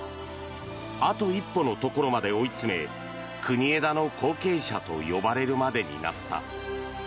あと一歩のところまで追い詰め国枝の後継者と呼ばれるまでになった。